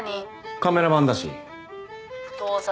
カメラマンだし盗撮？